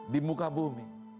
di muka bumi